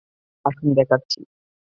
আসুন, দেখাচ্ছি।